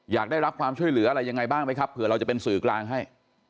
อยากได้รับความช่วยเหลืออะไรยังไงบ้างไหมครับเผื่อเราจะเป็นสื่อกลางให้